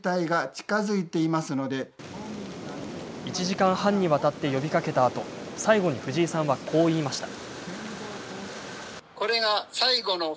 １時間半にわたって呼びかけたあと最後に藤井さんはこう言いました。